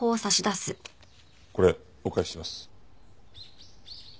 これお返しします。